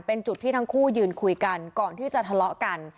เป็นจุดที่ทั้งคู่ยืนคุยกันก่อนที่จะทะเลาะกัน